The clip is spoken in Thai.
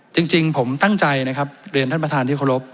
จริงผมตั้งใจนะครับเรียนท่านประธานที่เคารพ